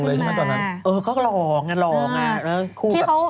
เออเขาก็หล่องอ่ะหล่องอ่ะ